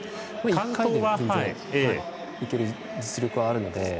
１回でいける実力はあるので。